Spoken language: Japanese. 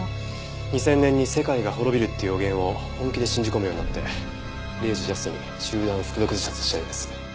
２０００年に世界が滅びるって予言を本気で信じ込むようになって０時ジャストに集団服毒自殺したようです。